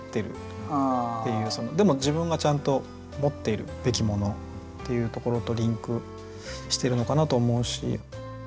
でも自分がちゃんと持っているべきものっていうところとリンクしてるのかなと思うし。